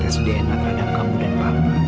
saya bisa melakukan tes dna terhadap kamu dan papa